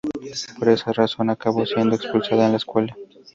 Por esa razón, acabó siendo expulsada de la Escuela.